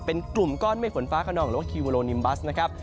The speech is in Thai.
เป็นกลุ่มก้อนเมฆฝนฟ้าขนองหรือว่าคิวโลนิมบัสนะครับ